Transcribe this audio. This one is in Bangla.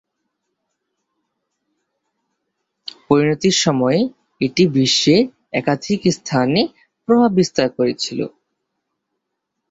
পরিণতির সময়ে এটি বিশ্বের একাধিক স্থানে প্রভাব বিস্তার করেছিল, যেমন ইউরোপ এবং তুরস্ক ও ইস্রায়েল প্রভৃতি এশীয় ভূখণ্ড।